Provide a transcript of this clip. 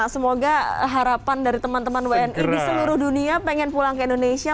semoga harapan dari teman teman wni di seluruh dunia pengen pulang ke indonesia